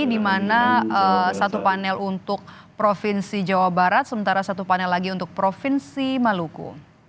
di mana satu panel untuk provinsi jawa barat sementara satu panel lagi untuk provinsi maluku